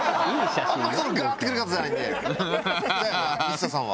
満田さんは。